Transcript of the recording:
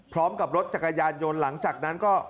พร้อมกับรถจักรยานยนต์หลังจากนั้นก็